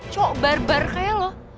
cok barbar kayak lo